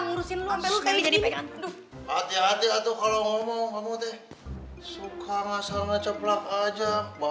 ngurusin lu sampai jadi pegang hati hati kalau ngomong ngomong teh suka ngasal ngeceplak aja